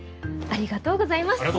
ありがとうございます。